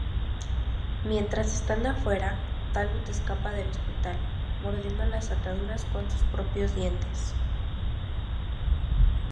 Mientras están fuera, Talbot escapa del hospital, mordiendo las ataduras con sus propios dientes.